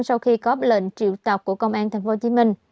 sau khi có lệnh triệu tập của công an tp hcm